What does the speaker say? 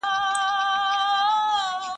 لوبیا او نخود سره پخول کېږي.